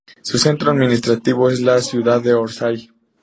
Su centro Administrativo es la ciudad de Orsay.